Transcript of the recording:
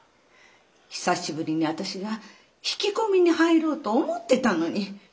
久しぶりに私が引き込みに入ろうと思ってたのに。